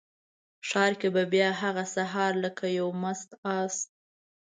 ښار کې به بیا هغه سهار لکه یو مست آس،